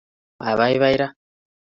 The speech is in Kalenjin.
Abaibai ra.